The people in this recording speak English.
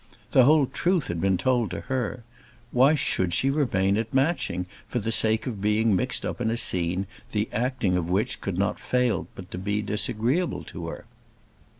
The whole truth had been told to her. Why should she remain at Matching for the sake of being mixed up in a scene the acting of which could not fail to be disagreeable to her?